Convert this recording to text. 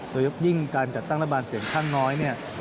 โดยยิ่งการจัดตั้งรัฐบาลเสียงข้างน้อยเนี่ย